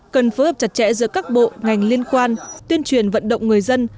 cần phối hợp chặt chẽ giữa các bộ ngành liên quan tuyên truyền vận động người dân